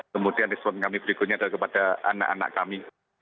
kemudian respon kami berikutnya adalah kepada anak anak kami